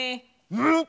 うん！